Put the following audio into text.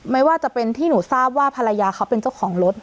ไม่ว่าจะเป็นที่หนูทราบว่าภรรยาเขาเป็นเจ้าของรถ